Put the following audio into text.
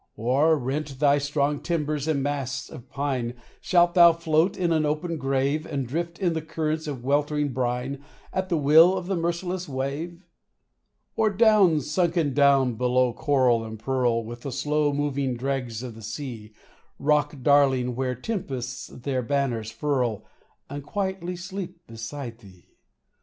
Or, rent thy strong timbers and masts of pine, Shalt thou float in an open grave, And drift in the currents of weltering brine At the will of the merciless wave ? Or down, sunken down below coral and pearl, With the slow moving dregs of the sea, Rock darkling where tempests their banners furl And quietly sleep beside thee